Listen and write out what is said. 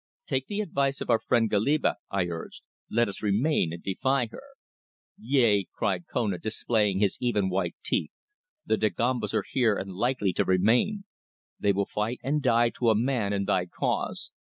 "Take the advice of our friend Goliba," I urged. "Let us remain and defy her." "Yea," cried Kona, displaying his even white teeth. "The Dagombas are here and likely to remain. They will fight and die to a man in thy cause.